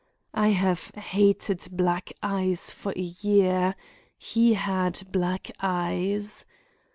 "I have hated black eyes for a year. He had black eyes.